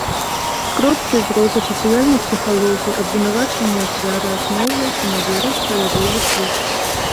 З кропкі зроку сацыяльнай псіхалогіі, абвінавачанне ахвяры асноўваецца на веры ў справядлівы свет.